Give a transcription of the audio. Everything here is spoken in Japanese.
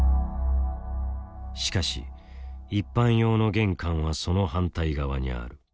しかし一般用の玄関はその反対側にある。